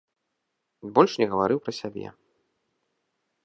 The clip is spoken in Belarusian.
Больш не гаварыў пра сябе.